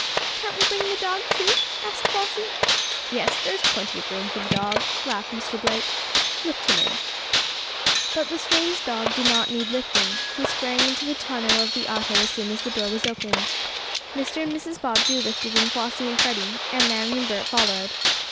"Can we bring the dog, too?" asked Flossie. "Yes, there's plenty of room for the dog," laughed Mr. Blake. "Lift him in." But the strange dog did not need lifting. He sprang into the tonneau of the auto as soon as the door was opened. Mr. and Mrs. Bobbsey lifted in Flossie and Freddie, and Nan and Bert followed.